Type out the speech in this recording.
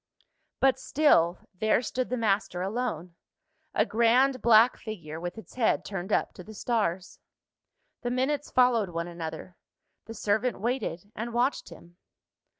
But still, there stood the master alone a grand black figure, with its head turned up to the stars. The minutes followed one another: the servant waited, and watched him.